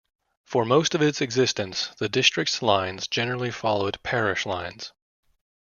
For most of its existence, the district's lines generally followed parish lines.